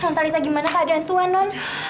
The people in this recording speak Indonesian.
lantarita gimana keadaan tua non